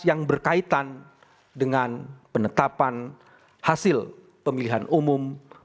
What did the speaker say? yang berkaitan dengan penetapan hasil pemilihan umum presiden dan wakil presiden